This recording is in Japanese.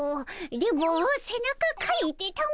電ボせなかかいてたも。